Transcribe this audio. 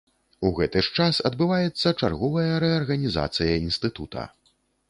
У гэты ж час адбываецца чарговая рэарганізацыя інстытута.